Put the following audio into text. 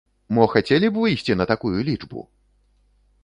Мо хацелі б выйсці на такую лічбу?!